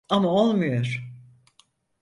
Ama olmuyor.